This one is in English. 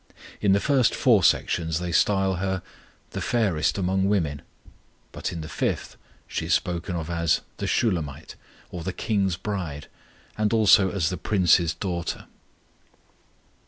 In the first four sections they style her "the fairest among women," but in the fifth she is spoken of as "the Shulamite," or the King's bride, and also as the "Prince's daughter."